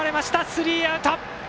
スリーアウト。